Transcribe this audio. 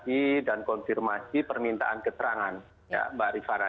pemeriksaan yaitu konfirmasi permintaan keterangan mbak rifara